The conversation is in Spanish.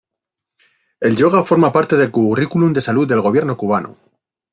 El yoga forma parte del currículo de salud del gobierno cubano.